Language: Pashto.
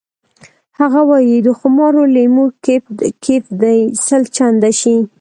هغه وایی د خمارو لیمو کیف دې سل چنده شي